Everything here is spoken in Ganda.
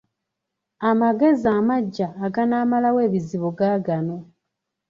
Amagezi amaggya aganaamalawo ebizibu gaagano.